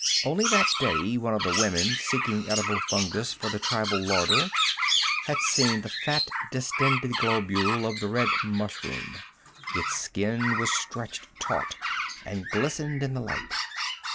Only that day, one of the women, seeking edible fungus for the tribal larder, had seen the fat, distended globule of the red mushroom. Its skin was stretched taut, and glistened in the light.